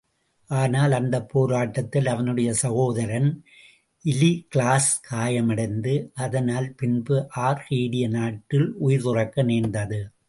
ஆனால், அந்தப் போராட்டத்தில் அவனுடைய சகோதரன் இலிகிளிஸ் காயமடைந்து, அதனால் பின்பு ஆர்கேடிய நாட்டில் உயிர் துறக்க நேர்ந்தது.